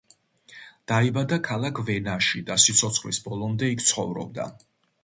დაიბადა ქალაქ ვენაში და სიცოცხლის ბოლომდე იქ ცხოვრობდა.